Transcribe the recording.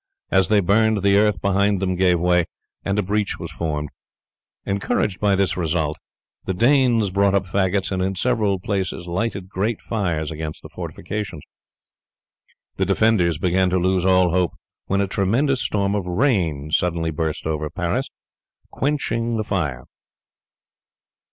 As they burned, the earth behind them gave way, and a breach was formed. Encouraged by this result the Danes brought up faggots, and in several places lighted great fires against the fortifications. The defenders began to lose all hope, when a tremendous storm of rain suddenly burst over Paris quenching the fire.